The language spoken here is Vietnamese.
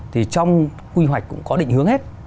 thì trong quy hoạch cũng có định hướng hết